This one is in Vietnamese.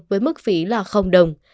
với mức phí là không đồng